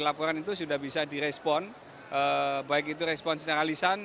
laporan itu sudah bisa direspon baik itu respon secara lisan